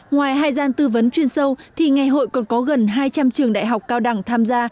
ngoài hai gian tư vấn chuyên sâu thì ngày hội còn có gần hai trăm linh trường đại học cao đẳng tham gia